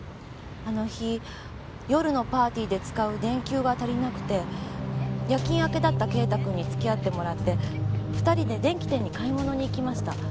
あの日夜のパーティーで使う電球が足りなくて夜勤明けだった啓太君に付き合ってもらって２人で電器店に買い物に行きました。